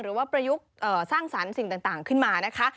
ประยุกต์สร้างสรรค์สิ่งต่างขึ้นมานะคะ